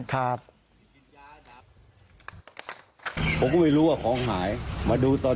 ครับ